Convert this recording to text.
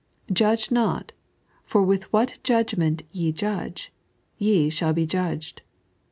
Judge not, for with what judgment ye judge, ye shall be judged.